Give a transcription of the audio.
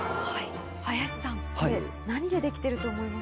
林さんこれ何でできてると思いますか？